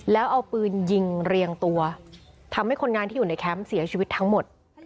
แล้วเอาปืนยิงเรียงตัวทำให้คนงานที่อยู่ในแคมป์เสียชีวิตทั้งหมด